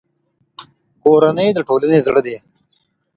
کورنۍ د ټولنې زړه دی.